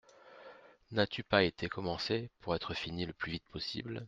N’as-tu pas été commencée pour être finie le plus vite possible ?